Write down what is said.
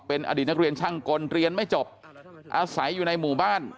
เป็นอดีตนักเรียนช่างกลเรียนไม่จบอาศัยอยู่ในหมู่บ้าน